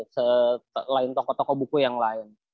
selain toko toko buku yang lain